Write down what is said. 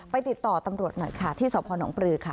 ติดต่อตำรวจหน่อยค่ะที่สพนปลือค่ะ